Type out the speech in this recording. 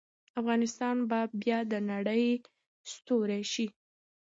افغانستان به بیا د نړۍ ستوری شي.